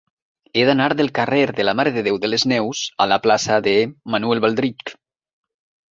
He d'anar del carrer de la Mare de Déu de les Neus a la plaça de Manuel Baldrich.